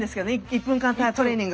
１分間トレーニング。